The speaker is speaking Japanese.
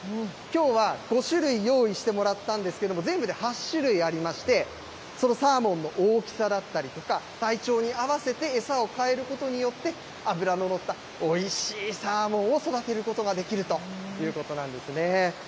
きょうは、５種類用意してもらったんですけど、全部で８種類ありまして、そのサーモンの大きさだったりとか、体調に合わせて餌を変えることによって、脂の乗ったおいしいサーモンを育てることができるということなんですね。